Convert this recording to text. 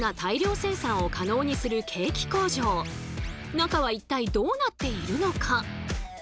中は一体どうなっているのか？